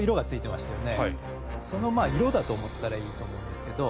その色だと思ったらいいと思うんですけど。